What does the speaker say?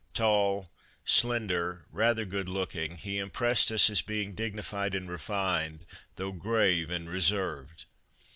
Tall, slender, rather good looking, he impressed us as being dignified and refined, though grave and reserved.